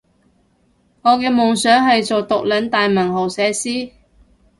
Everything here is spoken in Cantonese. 我嘅夢想係做毒撚大文豪寫詩